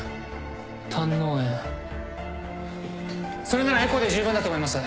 それならエコーで十分だと思います。